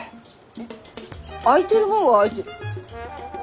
えっ？空いてるもんは空いて。